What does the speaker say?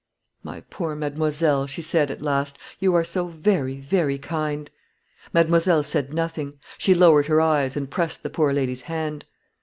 "My poor mademoiselle," she said, at last, "you are so very, very kind." Mademoiselle said nothing; she lowered her eyes, and pressed the poor lady's hand.